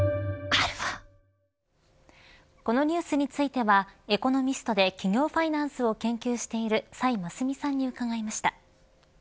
このニュースについてはエコノミストで企業ファイナンスを研究されている崔真淑さんに伺いました。